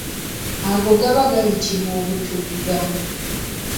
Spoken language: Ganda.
Ago gaba gayitibwa obutuuga.